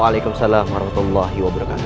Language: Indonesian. waalaikumsalam warahmatullahi wabarakatuh